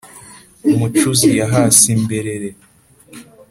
Umucuzi yahase imberera,